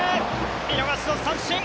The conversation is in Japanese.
見逃し三振。